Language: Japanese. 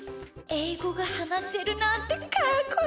えいごがはなせるなんてかっこいい！